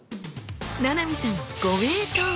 七海さんご名答！